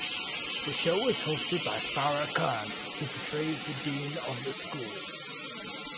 The show is hosted by Farah Khan who portrays the dean of the school.